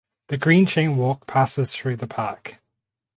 The Green Chain Walk passes through the park.